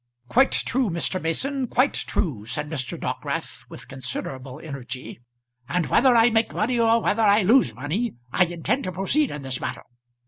"Quite true, Mr. Mason; quite true," said Mr. Dockwrath with considerable energy. "And whether I make money or whether I lose money I intend to proceed in this matter.